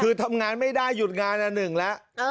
คือทำงานไม่ได้หยุดงานอันหนึ่งแล้ว